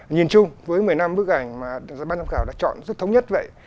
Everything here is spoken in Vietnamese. nhìn chung với một mươi năm bức ảnh mà ban giám khảo đã chọn rất thống nhất vậy